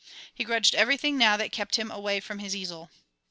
He grudged everything now that kept him away from his easel.